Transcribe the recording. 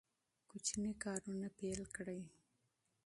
کوچني کارونه پیل کړئ.